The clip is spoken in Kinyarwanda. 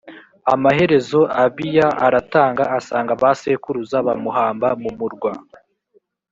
amaherezo abiya aratanga asanga ba sekuruza bamuhamba mu murwa